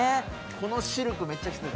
このシルクめっちゃ行った。